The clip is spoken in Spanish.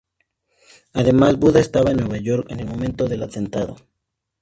Además, Buda estaba en Nueva York en el momento del atentado.